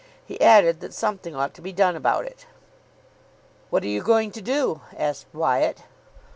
He added that something ought to be done about it. "What are you going to do?" asked Wyatt.